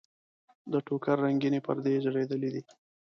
د ټوکر رنګینې پردې یې ځړېدلې دي.